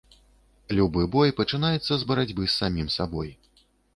Любы бой пачынаецца з барацьбы з самім сабой.